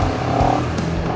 gak ada yang mau ngomong